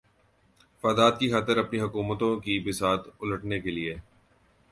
فادات کی خاطر اپنی حکومتوں کی بساط الٹنے کیلئے